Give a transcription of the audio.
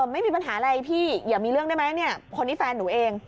ไม่มีปัญหาอะไรพี่อย่ามีเรื่องได้ไหมเนี่ยคนนี้แฟนหนูเอง